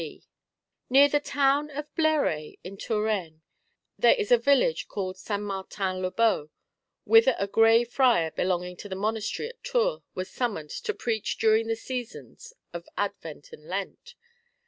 1 NEAR the town of Blere in Touraine there is a village called St. Martin le Beau, whither a Grey Friar belonging to the monastery at Tours was summoned to preach during the seasons of Advent and Lent.